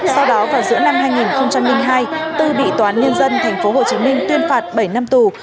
sau đó vào giữa năm hai nghìn hai tư bị tòa án nhân dân thành phố hồ chí minh tuyên phạt bảy năm tù